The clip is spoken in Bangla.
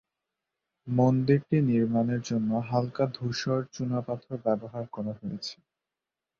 মন্দিরটি নির্মাণের জন্য হালকা ধূসর চুনাপাথর ব্যবহার করা হয়েছে।